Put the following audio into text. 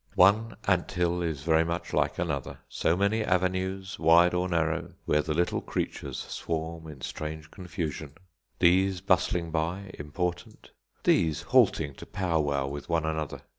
One anthill is very much like another. So many avenues, wide or narrow, where the little creatures swarm in strange confusion; these bustling by, important; these halting to pow wow with one another.